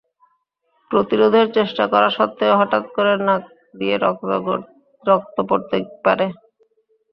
প্রতিরোধের চেষ্টা করা সত্ত্বেও হঠাৎ করে নাক দিয়ে রক্ত পড়তে পারে।